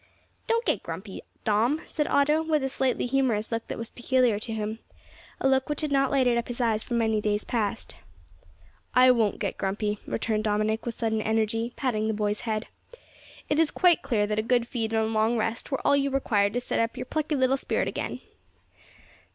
"Don't get grumpy, Dom," said Otto, with a slightly humorous look that was peculiar to him a look which had not lighted up his eyes for many days past. "I won't get grumpy," returned Dominick with sudden energy, patting the boy's head. "It is quite clear that a good feed and a long rest were all you required to set up your plucky little spirit again."